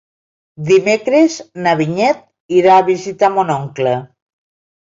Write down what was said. Dimecres na Vinyet irà a visitar mon oncle.